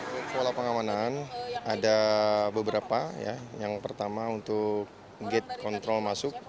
dari pola pengamanan ada beberapa yang pertama untuk gate control masuk